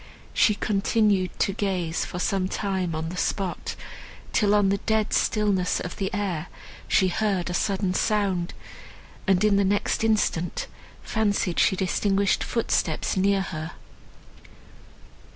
She continued to gaze for some time on the spot, till on the dead stillness of the air she heard a sudden sound, and in the next instant fancied she distinguished footsteps near her.